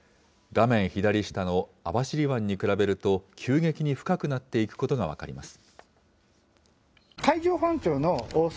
画面左下の網走湾に比べると急激に深くなっていくことが分かります。